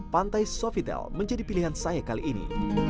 pantai sovitel menjadi pilihan saya kali ini